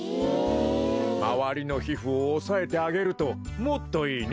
まわりのひふをおさえてあげるともっといいね。